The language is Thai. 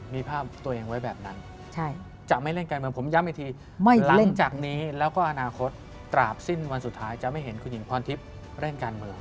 มีภาพตัวเองไว้แบบนั้นจะไม่เล่นการเมืองผมย้ำอีกทีหลังจากนี้แล้วก็อนาคตตราบสิ้นวันสุดท้ายจะไม่เห็นคุณหญิงพรทิพย์เล่นการเมือง